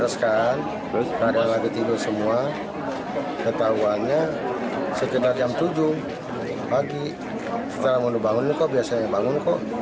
setelah mulu bangun ini kok biasanya yang bangun kok